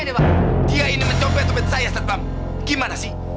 dia ini mencopet copet saya setpam gimana sih